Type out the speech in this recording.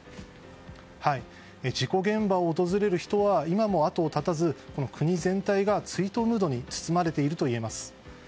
事故現場を訪れる人は今も後を絶たず国全体が追悼ムードに包まれているといえます。